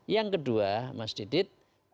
yang kedua mas didit